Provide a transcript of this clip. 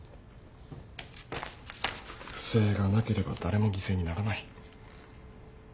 不正がなければ誰も犠牲にならない。